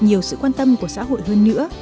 nhiều sự quan tâm của xã hội hơn nữa